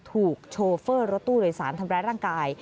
โชเฟอร์รถตู้โดยสารทำร้ายร่างกาย